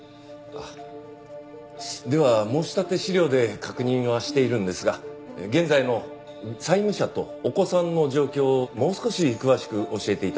では申立資料で確認はしているんですが現在の債務者とお子さんの状況をもう少し詳しく教えて頂けますか？